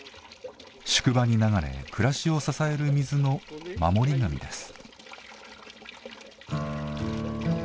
宿場に流れ暮らしを支える水の守り神です。